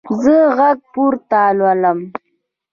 زه غږ پورته لولم.